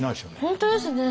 本当ですね。